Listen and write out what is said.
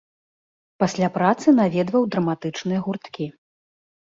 Пасля працы наведваў драматычныя гурткі.